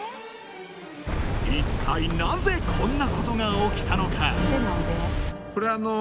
一体なぜこんなことが起きたのか！？